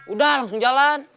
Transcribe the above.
udah langsung jalan